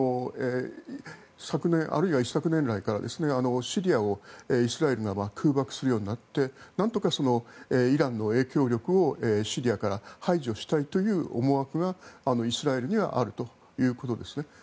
昨年あるいは一昨年来からシリアをイスラエルが空爆するようになってなんとかイランの影響力をシリアから排除したいという思惑がイスラエルにはあるということですね。